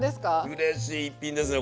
うれしい１品ですね